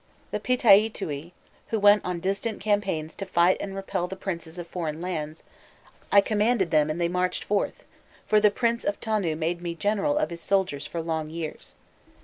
The Pitaîtiû, who went on distant campaigns to fight and repel the princes of foreign lands, I commanded them and they marched forth; for the prince of Tonû made me the general of his soldiers for long years.